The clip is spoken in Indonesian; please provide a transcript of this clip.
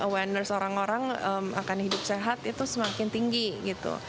awareness orang orang akan hidup sehat itu semakin tinggi gitu